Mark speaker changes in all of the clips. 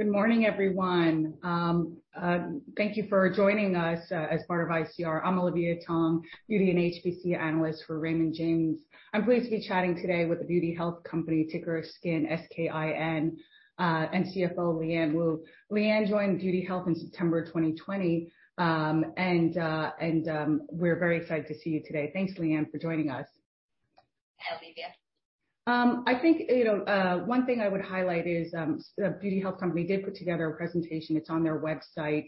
Speaker 1: Good morning, everyone. Thank you for joining us as part of ICR. I'm Olivia Tong, Beauty and HPC analyst for Raymond James. I'm pleased to be chatting today with The Beauty Health Company, ticker SKIN, S-K-I-N, and CFO, Liyuan Woo. Liyuan joined Beauty Health in September 2020. We're very excited to see you today. Thanks, Liyuan, for joining us.
Speaker 2: Hi, Olivia.
Speaker 1: I think, you know, one thing I would highlight is, The Beauty Health Company did put together a presentation. It's on their website.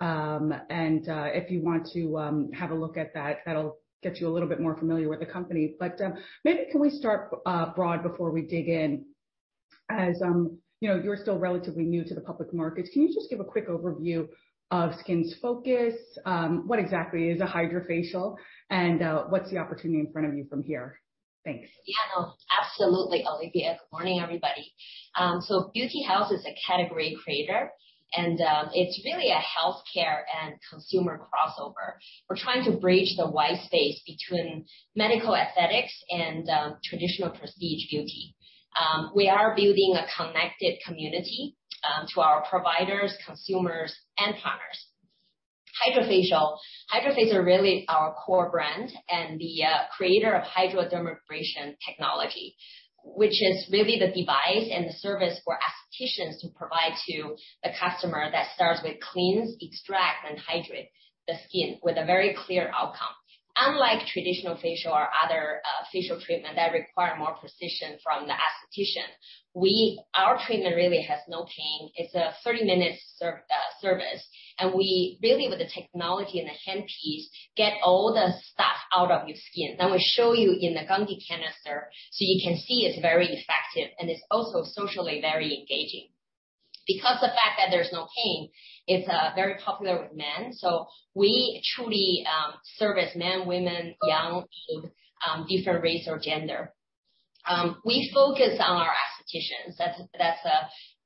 Speaker 1: If you want to have a look at that'll get you a little bit more familiar with the company. Maybe can we start broad before we dig in? As, you know, you're still relatively new to the public markets. Can you just give a quick overview of SKIN's focus? What exactly is a HydraFacial? What's the opportunity in front of you from here? Thanks.
Speaker 2: Yeah, no, absolutely, Olivia. Good morning, everybody. So Beauty Health is a category creator, and it's really a healthcare and consumer crossover. We're trying to bridge the wide space between medical aesthetics and traditional prestige beauty. We are building a connected community to our providers, consumers, and partners. HydraFacial really our core brand and the creator of hydradermabrasion technology, which is really the device and the service for aestheticians to provide to the customer that starts with cleanse, extract, and hydrate the skin with a very clear outcome. Unlike traditional facial or other facial treatment that require more precision from the aesthetician, our treatment really has no pain. It's a 30-minute service. We really, with the technology and the handpiece, get all the stuff out of your skin. We show you in the Gunkie canister, so you can see it's very effective, and it's also socially very engaging. Because the fact that there's no pain, it's very popular with men. We truly service men, women, young, old, different race or gender. We focus on our aestheticians. That's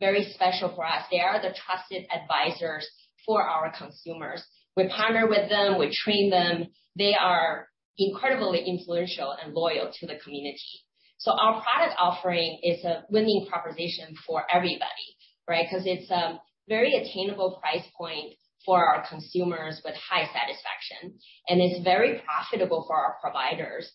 Speaker 2: very special for us. They are the trusted advisors for our consumers. We partner with them. We train them. They are incredibly influential and loyal to the community. Our product offering is a winning proposition for everybody, right? Because it's a very attainable price point for our consumers with high satisfaction. It's very profitable for our providers,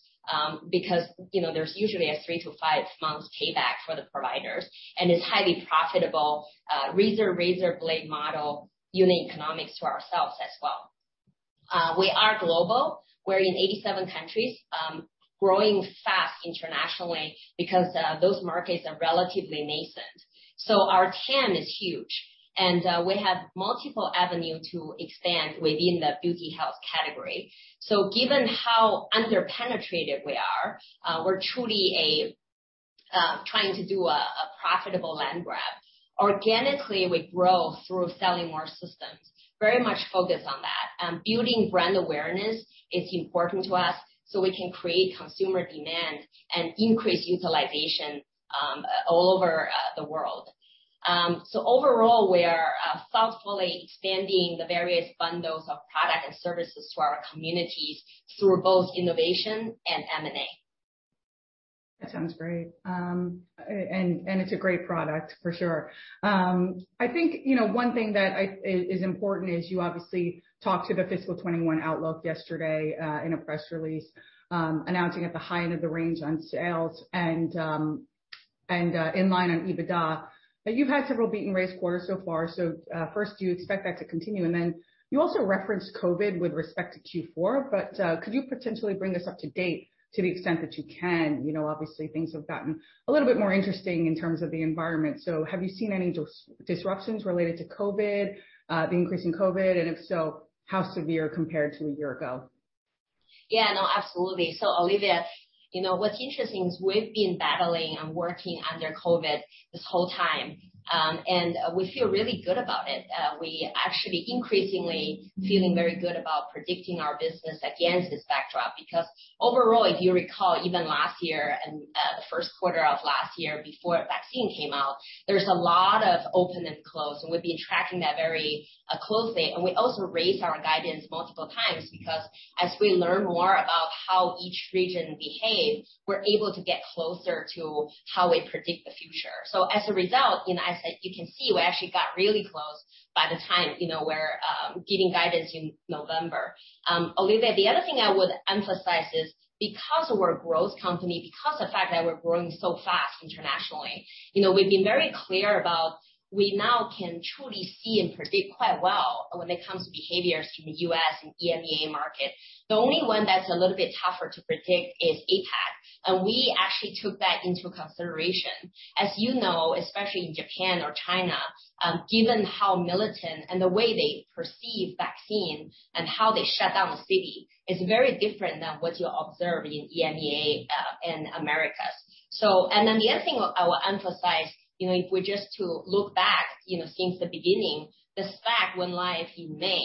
Speaker 2: because you know, there's usually a 3- to 5-month payback for the providers. It's highly profitable, razor blade model unit economics to ourselves as well. We are global. We're in 87 countries, growing fast internationally because those markets are relatively nascent. Our TAM is huge, and we have multiple avenue to expand within the beauty health category. Given how under-penetrated we are, we're truly trying to do a profitable land grab. Organically, we grow through selling more systems. Very much focused on that. Building brand awareness is important to us, so we can create consumer demand and increase utilization all over the world. Overall, we are thoughtfully expanding the various bundles of product and services to our communities through both innovation and M&A.
Speaker 1: That sounds great. It's a great product, for sure. I think, you know, one thing that is important is you obviously talked to the fiscal 2021 outlook yesterday in a press release announcing at the high end of the range on sales and in line on EBITDA. You've had several beat and raise quarters so far. First, do you expect that to continue? Then you also referenced COVID with respect to Q4, but could you potentially bring us up to date to the extent that you can? You know, obviously, things have gotten a little bit more interesting in terms of the environment. Have you seen any disruptions related to COVID, the increase in COVID? And if so, how severe compared to a year ago?
Speaker 2: Yeah, no, absolutely. Olivia, you know, what's interesting is we've been battling and working under COVID this whole time, and we feel really good about it. We actually increasingly feeling very good about predicting our business against this backdrop because overall, if you recall, even last year and the first quarter of last year before vaccine came out, there's a lot of open and close, and we've been tracking that very closely. We also raised our guidance multiple times because as we learn more about how each region behaves, we're able to get closer to how we predict the future. As a result, you know, as you can see, we actually got really close by the time, you know, we're giving guidance in November. Olivia, the other thing I would emphasize is because we're a growth company, because the fact that we're growing so fast internationally, you know, we've been very clear about we now can truly see and predict quite well when it comes to behaviors in the U.S. and EMEA markets. The only one that's a little bit tougher to predict is APAC, and we actually took that into consideration. As you know, especially in Japan or China, given how militant and the way they perceive vaccine and how they shut down the city is very different than what you observe in EMEA, and Americas. The other thing I will emphasize, you know, if we're just to look back, you know, since the beginning, the SPAC went live in May.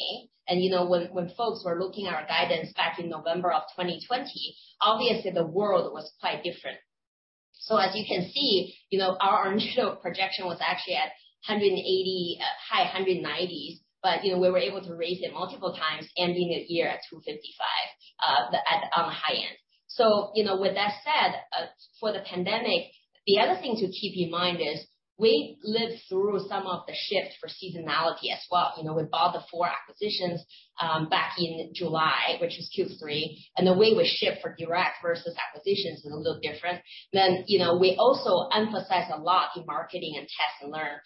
Speaker 2: You know, when folks were looking at our guidance back in November of 2020, obviously the world was quite different. As you can see, you know, our initial projection was actually at $180 million, high $190s million, but, you know, we were able to raise it multiple times, ending the year at $255 million on the high end. You know, with that said, for the pandemic, the other thing to keep in mind is we lived through some of the shifts for seasonality as well. You know, we bought the four acquisitions back in July, which was Q3. The way we shift for direct versus acquisitions is a little different. You know, we also emphasize a lot in marketing and test and learn.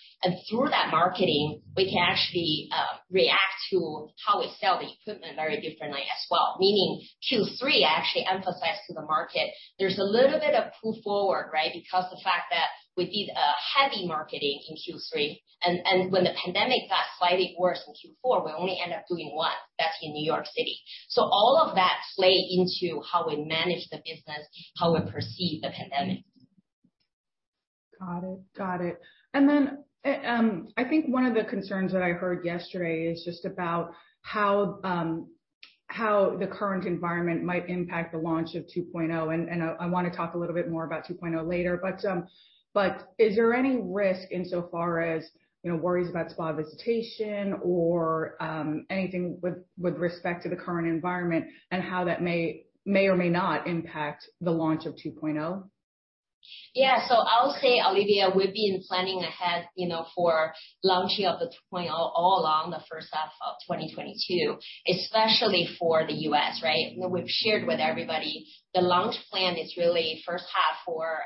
Speaker 2: Through that marketing, we can actually react to how we sell the equipment very differently as well. Meaning Q3 actually emphasized to the market there's a little bit of pull forward, right? Because the fact that we did a heavy marketing in Q3, when the pandemic got slightly worse in Q4, we only end up doing one. That's in New York City. All of that play into how we manage the business, how we perceive the pandemic.
Speaker 1: Got it. I think one of the concerns that I heard yesterday is just about how the current environment might impact the launch of 2.0. I wanna talk a little bit more about 2.0 later. Is there any risk insofar as, you know, worries about spa visitation or anything with respect to the current environment and how that may or may not impact the launch of 2.0?
Speaker 2: Yeah. I'll say, Olivia, we've been planning ahead, you know, for launching of the 2.0 all along the first half of 2022, especially for the U.S., right? We've shared with everybody the launch plan is really first half for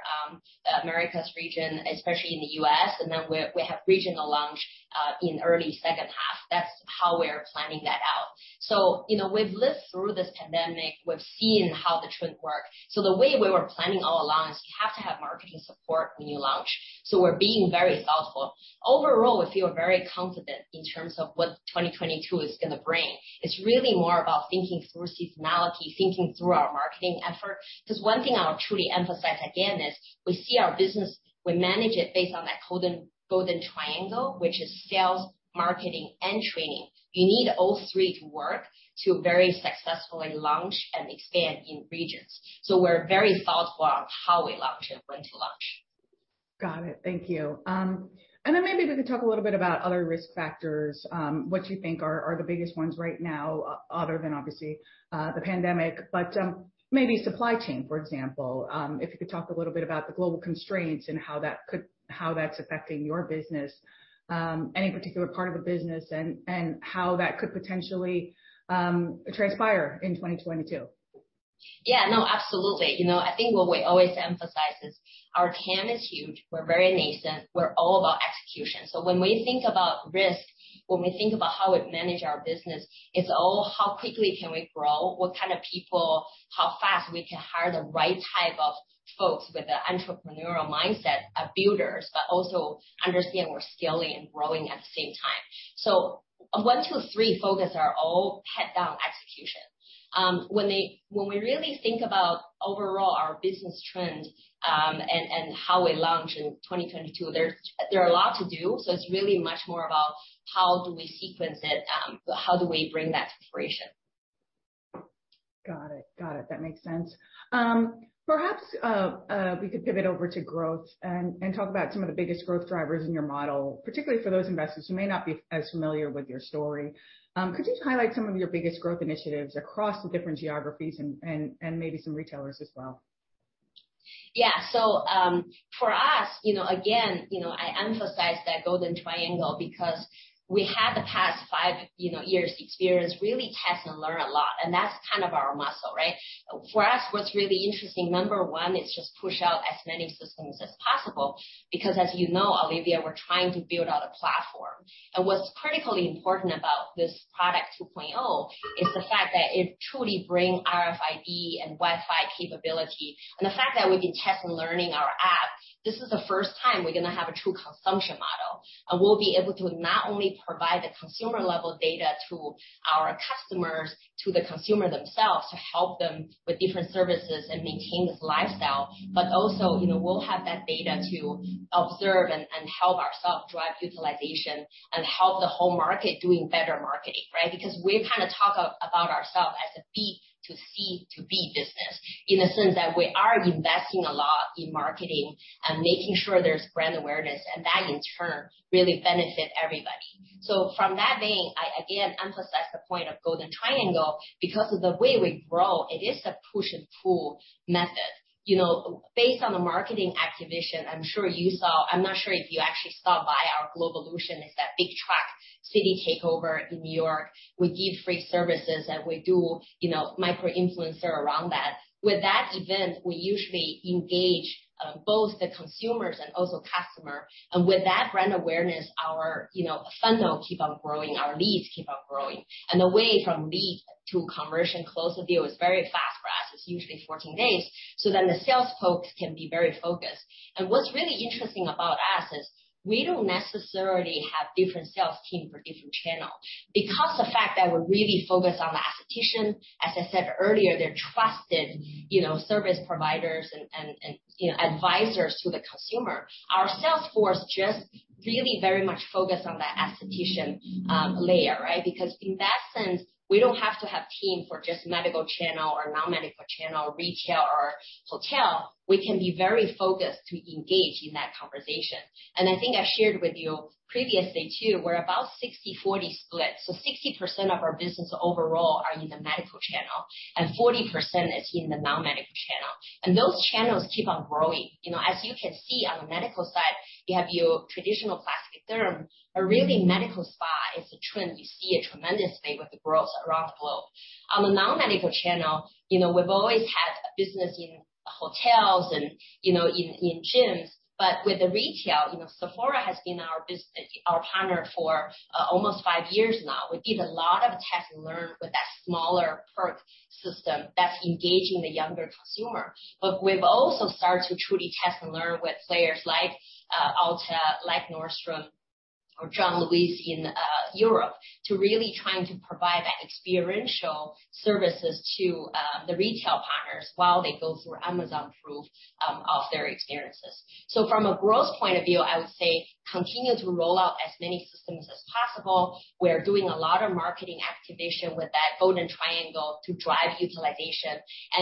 Speaker 2: the Americas region, especially in the U.S., and then we have regional launch in early second half. That's how we're planning that out. You know, we've lived through this pandemic, we've seen how the trend work. The way we were planning all along is you have to have marketing support when you launch. We're being very thoughtful. Overall, we feel very confident in terms of what 2022 is gonna bring. It's really more about thinking through seasonality, thinking through our marketing effort. 'Cause one thing I'll truly emphasize again is we see our business, we manage it based on that golden triangle, which is sales, marketing, and training. You need all three to work to very successfully launch and expand in regions. We're very thoughtful on how we launch and when to launch.
Speaker 1: Got it. Thank you. Maybe we could talk a little bit about other risk factors, what you think are the biggest ones right now, other than obviously the pandemic. Maybe supply chain, for example. If you could talk a little bit about the global constraints and how that's affecting your business, any particular part of the business, and how that could potentially transpire in 2022.
Speaker 2: Yeah, no, absolutely. You know, I think what we always emphasize is our TAM is huge. We're very nascent. We're all about execution. When we think about risk, when we think about how we manage our business, it's all how quickly can we grow? What kind of people? How fast we can hire the right type of folks with the entrepreneurial mindset of builders, but also understand we're scaling and growing at the same time. One, two, three focus are all pegged on execution. When we really think about overall our business trend, and how we launch in 2022, there's a lot to do, so it's really much more about how do we sequence it, how do we bring that to fruition.
Speaker 1: Got it. That makes sense. Perhaps we could pivot over to growth and talk about some of the biggest growth drivers in your model, particularly for those investors who may not be as familiar with your story. Could you highlight some of your biggest growth initiatives across the different geographies and maybe some retailers as well?
Speaker 2: Yeah, for us, you know, again, you know, I emphasize that golden triangle because we had the past five years' experience really test and learn a lot, and that's kind of our muscle, right? For us, what's really interesting, number one, is just push out as many systems as possible, because as you know, Olivia, we're trying to build out a platform. What's critically important about this product 2.0 is the fact that it truly bring RFID and Wi-Fi capability. The fact that we've been test and learning our app, this is the first time we're gonna have a true consumption model. We'll be able to not only provide the consumer level data to our customers, to the consumer themselves, to help them with different services and maintain this lifestyle, but also, you know, we'll have that data to observe and help ourselves drive utilization and help the whole market doing better marketing, right? Because we kinda talk about ourselves as a B to C to B business, in the sense that we are investing a lot in marketing and making sure there's brand awareness, and that in turn really benefit everybody. In that vein, I again emphasize the point of golden triangle, because of the way we grow, it is a push and pull method. You know, based on the marketing activation, I'm sure you saw. I'm not sure if you actually stopped by our GLOWvolution, it's that big truck city takeover in New York. We give free services and we do, you know, micro-influencer around that. With that event, we usually engage both the consumers and also customer. With that brand awareness, our, you know, funnel keep on growing, our leads keep on growing. The way from lead to conversion close the deal is very fast for us. It's usually 14 days. The sales folks can be very focused. What's really interesting about us is we don't necessarily have different sales team for different channel. Because the fact that we're really focused on the aesthetician, as I said earlier, they're trusted, you know, service providers and advisors to the consumer. Our sales force just really very much focused on the aesthetician layer, right? Because in that sense, we don't have to have team for just medical channel or non-medical channel, retail or our hotel, we can be very focused to engage in that conversation. I think I shared with you previously, too, we're about 60/40 split. Sixty percent of our business overall are in the medical channel and 40% is in the non-medical channel. Those channels keep on growing. You know, as you can see on the medical side, you have your traditional classic derm. A really medical spa is a trend. You see a tremendous thing with the growth around the globe. On the non-medical channel, you know, we've always had a business in hotels and, you know, in gyms, but with the retail, you know, Sephora has been our business, our partner for almost 5 years now. We did a lot of test and learn with that smaller perk system that's engaging the younger consumer. We've also started to truly test and learn with players like, Ulta, like Nordstrom or John Lewis in, Europe, to really trying to provide that experiential services to, the retail partners while they go through Amazon-proof, of their experiences. From a growth point of view, I would say continue to roll out as many systems as possible. We're doing a lot of marketing activation with that golden triangle to drive utilization.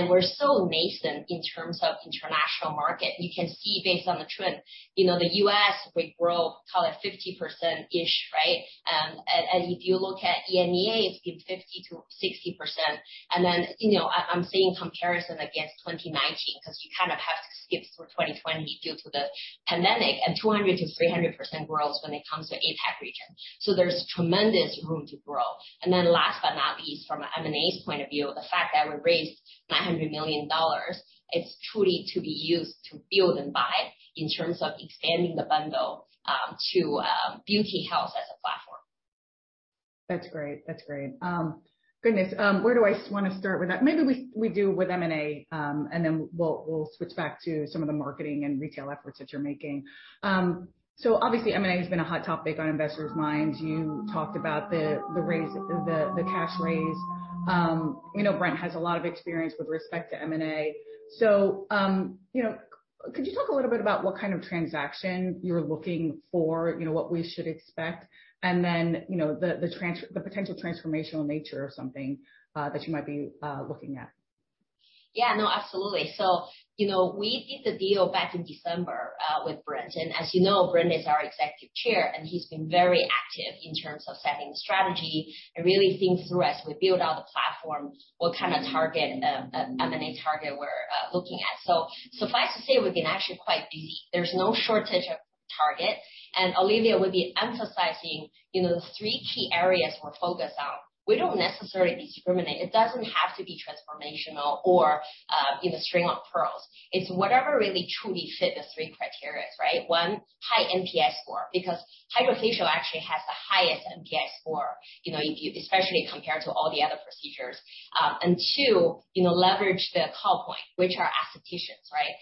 Speaker 2: We're so nascent in terms of international market. You can see based on the trend, you know the U.S., we grow call it 50%-ish, right? If you look at EMEA, it's been 50%-60%. You know, I'm saying comparison against 2019 because you kind of have to skip through 2020 due to the pandemic and 200%-300% growth when it comes to APAC region. There's tremendous room to grow. Last but not least, from an M&A's point of view, the fact that we raised $900 million, it's truly to be used to build and buy in terms of expanding the bundle, to, Beauty Health as a platform.
Speaker 1: That's great. Goodness. Where do I wanna start with that? Maybe we do with M&A, and then we'll switch back to some of the marketing and retail efforts that you're making. Obviously M&A has been a hot topic on investors' minds. You talked about the cash raise. You know, Brent has a lot of experience with respect to M&A. You know, could you talk a little bit about what kind of transaction you're looking for? You know, what we should expect and then, you know, the potential transformational nature of something that you might be looking at.
Speaker 2: Yeah. No, absolutely. You know, we did the deal back in December with Brent. As you know, Brent is our Executive Chairman, and he's been very active in terms of setting strategy and really think through as we build out the platform, what kind of target, M&A target we're looking at. Suffice to say, we've been actually quite busy. There's no shortage of target, and Olivia would be emphasizing, you know, the three key areas we're focused on. We don't necessarily discriminate. It doesn't have to be transformational or, you know, string of pearls. It's whatever really truly fit the three criteria, right? One, high NPS score, because HydraFacial actually has the highest NPS score, you know, if you especially compared to all the other procedures. And two, you know, leverage the call point, which are aestheticians, right?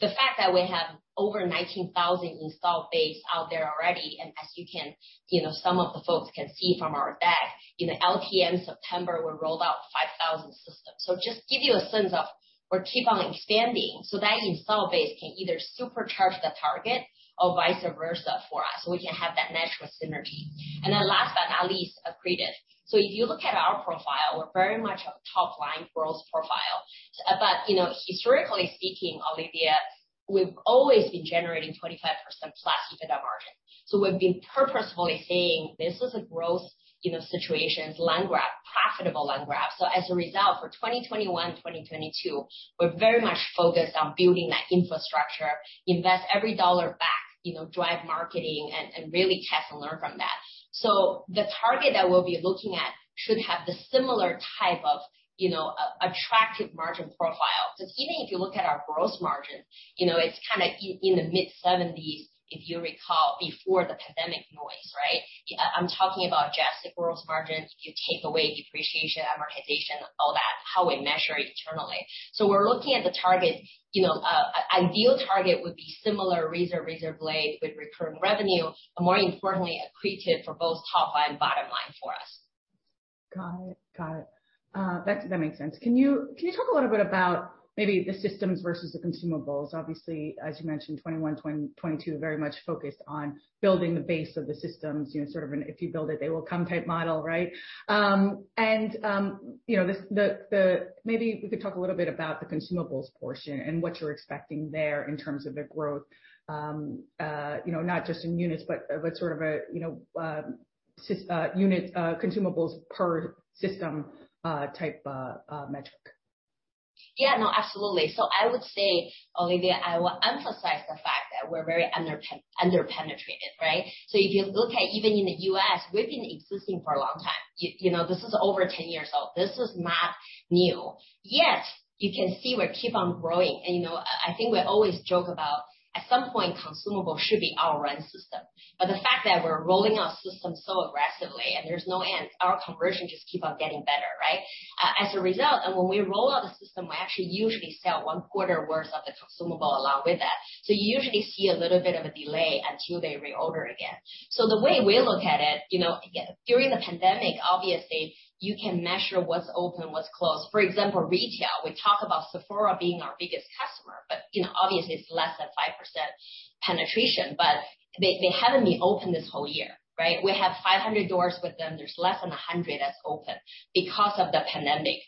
Speaker 2: The fact that we have over 19,000 installed base out there already, and as you can, you know, some of the folks can see from our deck, in the LTM September, we rolled out 5,000 systems. Just give you a sense of we keep on expanding so that installed base can either supercharge the target or vice versa for us, so we can have that natural synergy. Last but not least, accretive. If you look at our profile, we're very much a top-line growth profile. You know, historically speaking, Olivia, we've always been generating 25%+ EBITDA margin. We've been purposefully saying, "This is a growth, you know, situations, land grab, profitable land grab." As a result, for 2021, 2022, we're very much focused on building that infrastructure, invest every dollar back, you know, drive marketing and really test and learn from that. The target that we'll be looking at should have the similar type of, you know, attractive margin profile. Because even if you look at our gross margin, you know, it's kinda in the mid-70s%, if you recall, before the pandemic noise, right? I'm talking about adjusted gross margins. You take away depreciation, amortization, all that, how we measure internally. We're looking at the target. You know, ideal target would be similar razor blade with recurring revenue, but more importantly, accretive for both top and bottom line for us.
Speaker 1: Got it. That makes sense. Can you talk a little bit about maybe the systems versus the consumables? Obviously, as you mentioned, 2021, 2022 very much focused on building the base of the systems, you know, sort of an if you build it, they will come type model, right? Maybe we could talk a little bit about the consumables portion and what you're expecting there in terms of the growth, you know, not just in units, but what sort of a unit consumables per system type metric.
Speaker 2: Yeah, no, absolutely. I would say, Olivia, I will emphasize the fact that we're very underpenetrated, right? If you look at even in the US, we've been existing for a long time. You know, this is over 10 years old. This is not new. Yet, you can see we keep on growing. You know, I think we always joke about at some point, consumable should be our rent system. The fact that we're rolling out systems so aggressively and there's no end, our conversion just keep on getting better, right? As a result, when we roll out the system, we actually usually sell one quarter worth of the consumable along with that. You usually see a little bit of a delay until they reorder again. The way we look at it, you know, during the pandemic, obviously, you can measure what's open, what's closed. For example, retail, we talk about Sephora being our biggest customer, but you know, obviously it's less than 5% penetration. They haven't been open this whole year, right? We have 500 doors with them. There's less than 100 that's open. Because of the pandemic.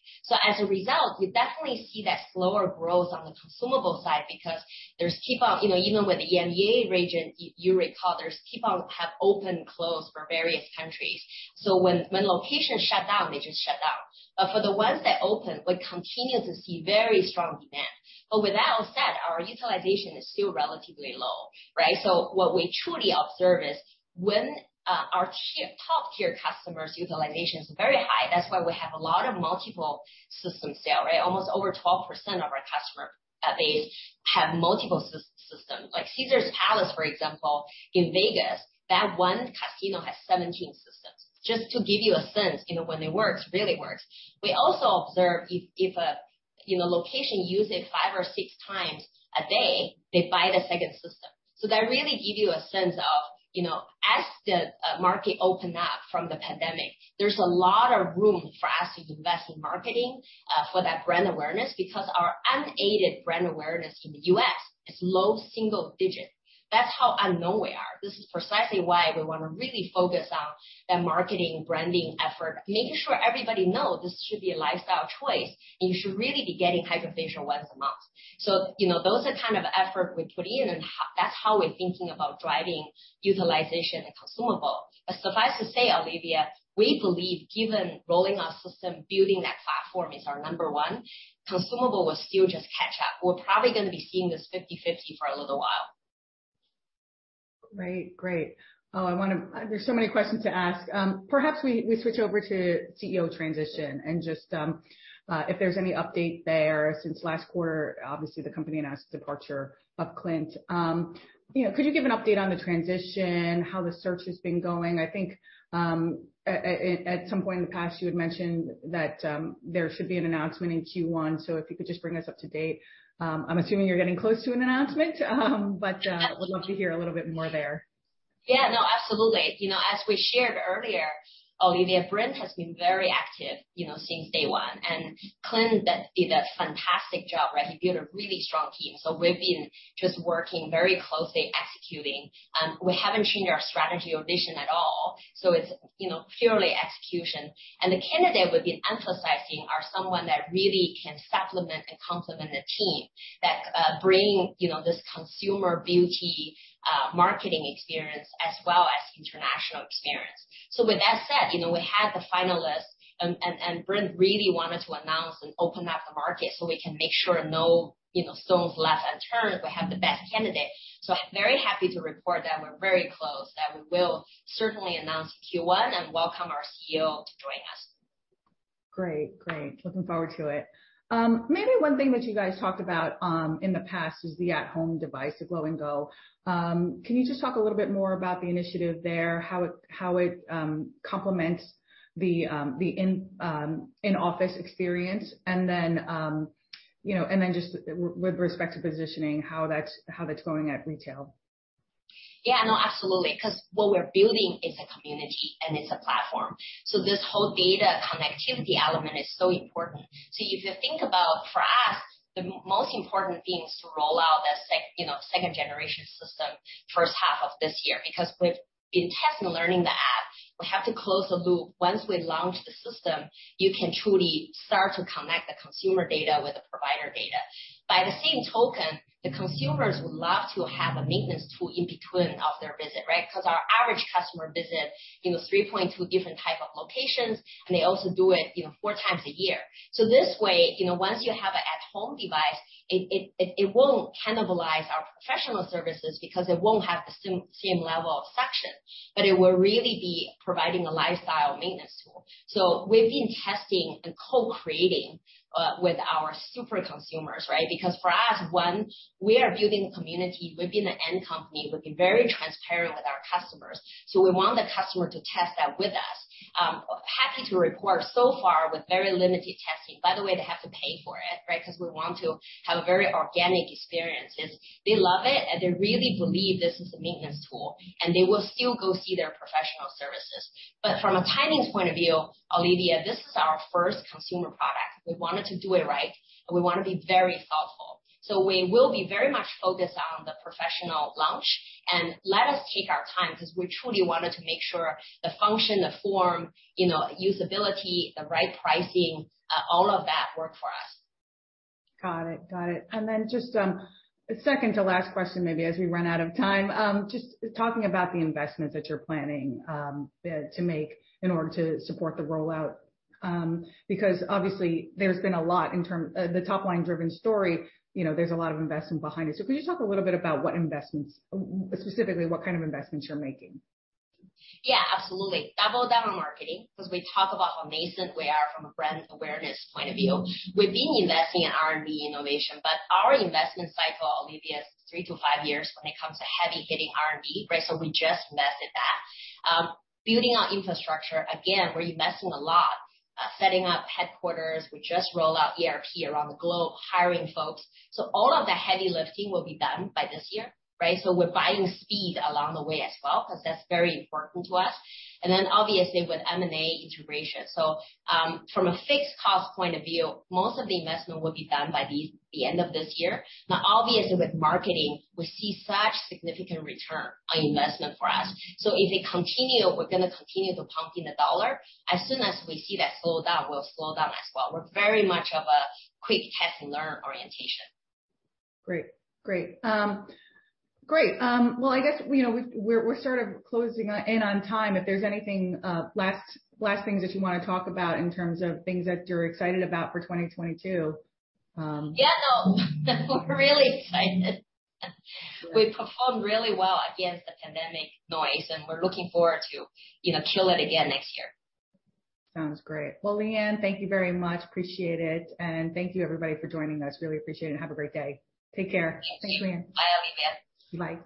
Speaker 2: As a result, we definitely see that slower growth on the consumable side because they keep on. You know, even with the EMEA region, you recall, they keep on opening and closing for various countries. When locations shut down, they just shut down. For the ones that open, we continue to see very strong demand. With that all said, our utilization is still relatively low, right? What we truly observe is when our top-tier customers' utilization is very high, that's why we have a lot of multiple system sales, right? Almost over 12% of our customer base have multiple systems. Like Caesars Palace, for example, in Vegas, that one casino has 17 systems. Just to give you a sense, you know, when it works, it really works. We also observe if you know, location use it 5 or 6 times a day, they buy the second system. That really give you a sense of, you know, as the market open up from the pandemic, there's a lot of room for us to invest in marketing for that brand awareness because our unaided brand awareness in the U.S. is low single digit. That's how unknown we are. This is precisely why we wanna really focus on the marketing, branding effort, making sure everybody know this should be a lifestyle choice, and you should really be getting HydraFacial once a month. You know, those are kind of effort we put in and that's how we're thinking about driving utilization and consumable. Suffice to say, Olivia, we believe given rolling our system, building that platform is our number one, consumable will still just catch up. We're probably gonna be seeing this 50/50 for a little while.
Speaker 1: Right. Great. There's so many questions to ask. Perhaps we switch over to CEO transition and just, if there's any update there since last quarter, obviously the company announced departure of Clint. You know, could you give an update on the transition? How the search has been going? I think, at some point in the past, you had mentioned that, there should be an announcement in Q1. If you could just bring us up to date. I'm assuming you're getting close to an announcement. Would love to hear a little bit more there.
Speaker 2: Yeah, no, absolutely. You know, as we shared earlier, Olivia, Brent has been very active, you know, since day one. Clint did a fantastic job, right? He built a really strong team. We've been just working very closely executing. We haven't changed our strategy or vision at all, so it's, you know, purely execution. The candidate we've been emphasizing are someone that really can supplement and complement the team, that bring, you know, this consumer beauty marketing experience as well as international experience. With that said, you know, we had the finalist and Brent really wanted to announce and open up the market so we can make sure no, you know, stones left unturned. We have the best candidate. I'm very happy to report that we're very close, that we will certainly announce in Q1 and welcome our CEO to join us.
Speaker 1: Great. Great. Looking forward to it. Maybe one thing that you guys talked about in the past is the at-home device, the Glow & Go. Can you just talk a little bit more about the initiative there? How it complements the in-office experience? You know, and then just with respect to positioning, how that's going at retail.
Speaker 2: Yeah, no, absolutely. 'Cause what we're building is a community and it's a platform. This whole data connectivity element is so important. If you think about, for us, the most important thing is to roll out the, you know, second generation system first half of this year. Because we've been testing, learning the app, we have to close the loop. Once we launch the system, you can truly start to connect the consumer data with the provider data. By the same token, the consumers would love to have a maintenance tool in between of their visit, right? 'Cause our average customer visit, you know, 3.2 different type of locations, and they also do it, you know, 4 times a year. This way, you know, once you have an at-home device, it won't cannibalize our professional services because it won't have the same level of suction, but it will really be providing a lifestyle maintenance tool. We've been testing and co-creating with our super consumers, right? Because for us, one, we are building community. We've been an end-to-end company. We've been very transparent with our customers. We want the customer to test that with us. Happy to report so far with very limited testing. By the way, they have to pay for it, right? 'Cause we want to have a very organic experience, is that they love it, and they really believe this is a maintenance tool, and they will still go see their professional services. From a timing point of view, Olivia, this is our first consumer product. We wanted to do it right, and we wanna be very thoughtful. We will be very much focused on the professional launch and let us take our time 'cause we truly wanted to make sure the function, the form, you know, usability, the right pricing, all of that work for us.
Speaker 1: Got it. Just, second to last question, maybe as we run out of time. Just talking about the investments that you're planning to make in order to support the rollout. Because obviously there's been a lot, the top-line-driven story, you know, there's a lot of investment behind it. Could you talk a little bit about what investments, well, specifically what kind of investments you're making?
Speaker 2: Yeah, absolutely. Double down on marketing, 'cause we talk about how nascent we are from a brand awareness point of view. We've been investing in R&D innovation, but our investment cycle, Olivia, is 3-5 years when it comes to heavy hitting R&D, right? We just invested that, building our infrastructure, again, we're investing a lot, setting up headquarters. We just rolled out ERP around the globe, hiring folks. All of the heavy lifting will be done by this year, right? We're buying speed along the way as well, 'cause that's very important to us, then obviously with M&A integration. From a fixed cost point of view, most of the investment will be done by the end of this year. Now, obviously, with marketing, we see such significant return on investment for us. if we continue, we're gonna continue to pump in the dollar. As soon as we see that slow down, we'll slow down as well. We're very much of a quick test and learn orientation.
Speaker 1: Great. Well, I guess, you know, we're sort of closing in on time. If there's anything, last things that you wanna talk about in terms of things that you're excited about for 2022,
Speaker 2: Yeah, no. We're really excited. We performed really well against the pandemic noise, and we're looking forward to, you know, kill it again next year.
Speaker 1: Sounds great. Well, Liyuan, thank you very much. Appreciate it. Thank you, everybody, for joining us. Really appreciate it, and have a great day. Take care. Thanks, Liyuan.
Speaker 2: Bye, Olivia.
Speaker 1: Bye.